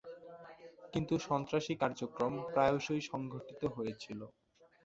কিন্তু সন্ত্রাসী কার্যক্রম প্রায়শঃই সংঘটিত হয়েছিল।